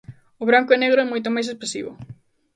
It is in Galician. O branco e negro é moito máis expresivo.